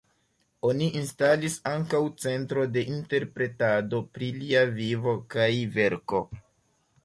Oni instalis ankaŭ centro de interpretado pri lia vivo kaj verko.